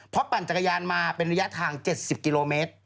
เพราะปั่นจักรยานมาเป็นระยะทาง๗๐กิโลเมตร